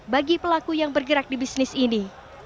bagi pelaku yang bergerak di bisnis ini